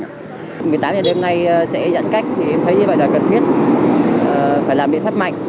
một mươi tám giờ đêm nay sẽ giãn cách thì thấy như vậy là cần thiết phải làm biện pháp mạnh